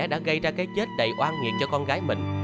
đã gây ra cái chết đầy oan nghiện cho con gái mình